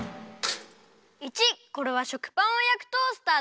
①！これは食パンをやくトースターだよ。